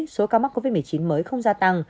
số ca mắc covid một mươi chín mới không gia tăng